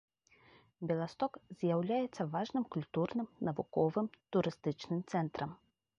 Беласток з'яўляецца важным культурным, навуковым, турыстычным цэнтрам.